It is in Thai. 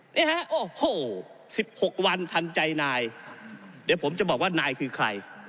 นี่ฮะโอ้โห๑๖วันทันใจนายเดี๋ยวผมจะบอกว่านายคือใคร